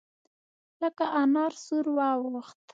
لکه انار سور واوښت.